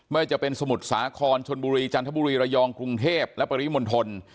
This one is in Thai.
ไม่ว่าจะเป็นสมุทรสาครชนบุรีจันทบุรีระยองกรุงเทพและปริมณฑล